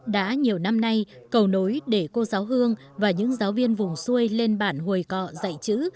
đã nhiều năm nay cầu nối để cô giáo hương và những giáo viên vùng xuôi lên bản hồi cọ dạy chữ